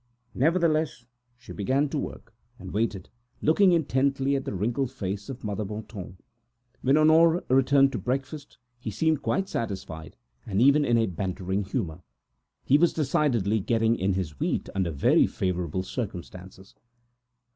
Nevertheless, she began to sew and waited with her eyes fixed on the wrinkled face of Mother Bontemps. When Honore returned to breakfast he seemed quite satisfied, and even in a bantering humor, for he was carrying in his wheat under very favorable circumstances.